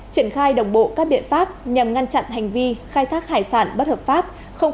triển khai đồng bộ các biện pháp nhằm ngăn chặn hành vi khai thác hải sản bất hợp pháp